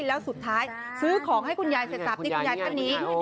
แล้วสุดท้ายซื้อของให้คุณยายเสร็จตามนี้คุณยายตั้งนี้